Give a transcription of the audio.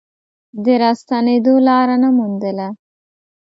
د راستنېدو لاره نه موندله.